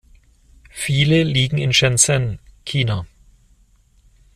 Viele liegen in Shenzhen, China.